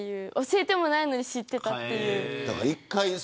教えてもないのに知っていたっていう。